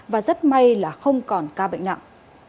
và rất may là không còn ca bệnh nặng